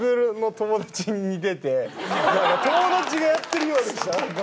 友達がやってるようでした。